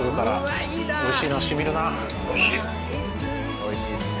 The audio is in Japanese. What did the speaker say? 美味しいですね。